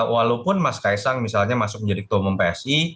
walaupun mas kaisang misalnya masuk menjadi ketua umum psi